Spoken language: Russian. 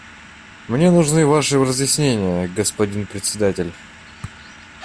Мне нужны Ваши разъяснения, господин Председатель.